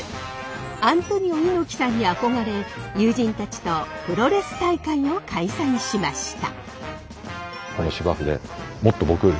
アントニオ猪木さんに憧れ友人たちとプロレス大会を開催しました。